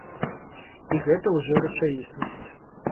І гэта ўжо рэчаіснасць.